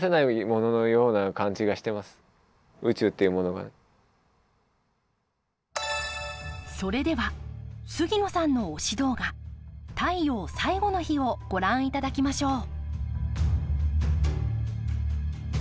やっぱり何かそれでは杉野さんの推し動画「太陽最後の日」をご覧いただきましょう。